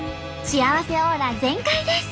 幸せオーラ全開です。